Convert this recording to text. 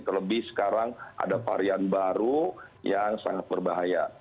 terlebih sekarang ada varian baru yang sangat berbahaya